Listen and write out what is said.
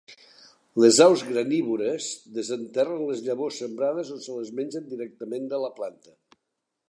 Les aus granívores desenterren les llavors sembrades o se les mengen directament de la planta.